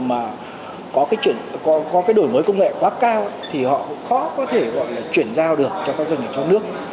mà có cái đổi mới công nghệ quá cao thì họ cũng khó có thể gọi là chuyển giao được cho các doanh nghiệp trong nước